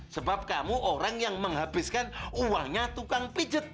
sebab kamu orang yang menghabiskan uangnya tukang pijet